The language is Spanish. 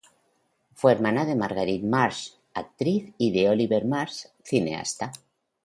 Fue hermana de Marguerite Marsh, actriz, y de Oliver Marsh, cineasta.